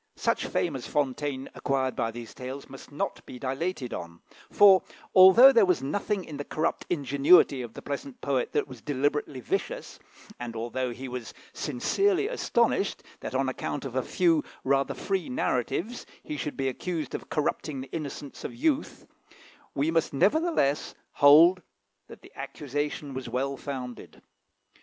Such fame as Fontaine acquired by these tales must not be dilated on; for, although there was nothing in the corrupt ingenuity of the pleasant poet that was deliberately vicious, and although he was sincerely astonished that, on account of a few rather free narratives, he should be accused of corrupting the innocence of youth, we must nevertheless hold that the accusation was well founded.